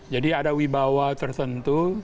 jadi ada wibawa tertentu